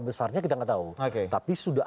besarnya kita nggak tahu tapi sudah